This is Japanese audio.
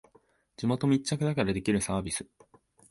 地元密着だからできるサービス